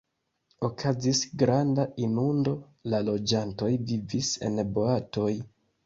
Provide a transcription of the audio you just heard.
Okazis granda inundo, la loĝantoj vivis en boatoj.